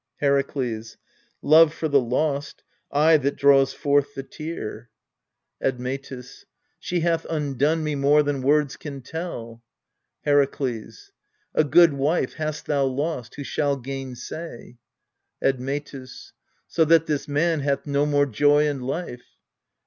Herakles. Love for the lost ay, that draws forth the tear. ALCESTIS 235 Admetus. She hath undone me more than words can tell. Herakles. A good wife hast thou lost, who shall gain say ? Admetus. So that this man hath no more joy in life.